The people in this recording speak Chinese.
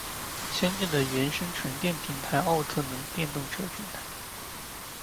先进的原生纯电平台奥特能电动车平台